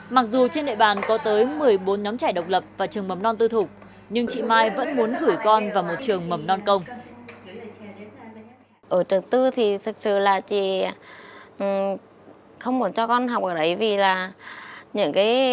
mặc dù trên địa bàn có tới một mươi bốn nhóm trẻ độc lập và trường mầm non tư thục nhưng chị mai vẫn muốn gửi con vào một trường mầm non công